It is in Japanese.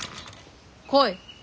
来い。